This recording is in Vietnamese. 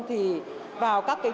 thì vào các trang